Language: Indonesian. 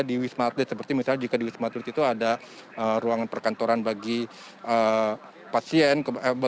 di wisma atlet seperti misalnya jika di wisma atlet itu ada ruangan perkantoran bagi pasien